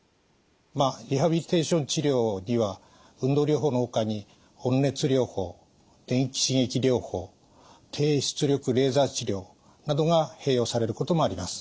まあリハビリテーション治療には運動療法のほかに温熱療法電気刺激療法低出力レーザー治療などが併用されることもあります。